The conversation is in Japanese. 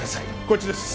こっちです。